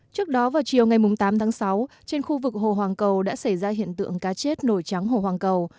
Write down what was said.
trước đó vào chiều ngày tám tháng sáu trên khu vực hồ hoàng cầu đã xảy ra hiện tượng cá chết nổi trắng hồ hoàng cầu